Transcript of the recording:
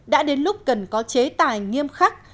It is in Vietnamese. đã đến lúc cần có chế tài nghiêm khắc